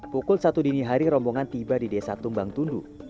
pukul satu dini hari rombongan tiba di desa tumbang tundu